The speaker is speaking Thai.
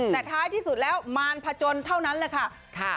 แต่ท้ายที่สุดแล้วมารพจนเท่านั้นแหละค่ะ